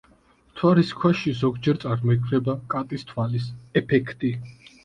მთვარის ქვაში ზოგჯერ წარმოიქმნება „კატის თვალის“ ეფექტი.